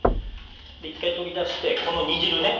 で１回取り出してこの煮汁ね